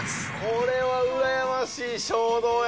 これはうらやましい衝動やな。